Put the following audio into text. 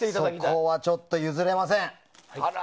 そこは、ちょっと譲れません。